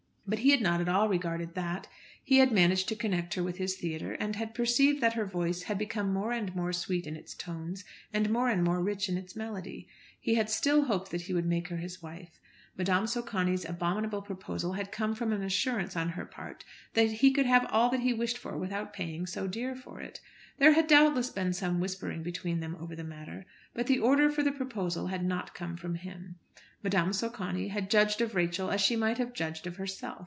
But he had not at all regarded that. He had managed to connect her with his theatre, and had perceived that her voice had become more and more sweet in its tones, and more and more rich in its melody. He had still hoped that he would make her his wife. Madame Socani's abominable proposal had come from an assurance on her part that he could have all that he wished for without paying so dear for it. There had doubtless been some whispering between them over the matter, but the order for the proposal had not come from him. Madame Socani had judged of Rachel as she might have judged of herself.